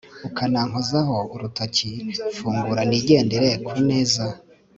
ukanankozaho urutoki fungura nigendere kuneza